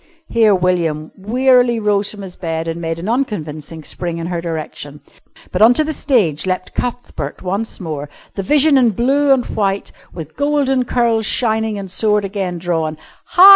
Here William wearily rose from his bed and made an unconvincing spring in her direction. But on to the stage leapt Cuthbert once more, the vision in blue and white with golden curls shining and sword again drawn. "Ha!